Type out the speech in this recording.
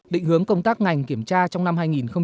định hướng công tác ngành kiểm tra trong năm hai nghìn hai mươi